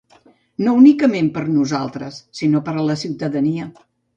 No únicament per a nosaltres, sinó per a la ciutadania.